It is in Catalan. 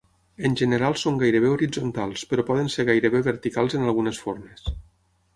En general són gairebé horitzontals, però poden ser gairebé verticals en algunes formes.